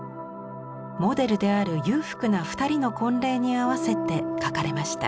モデルである裕福な２人の婚礼に合わせて描かれました。